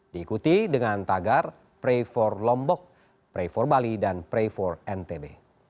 diikuti dengan tagar pray for lombok pray for bali dan pray for ntb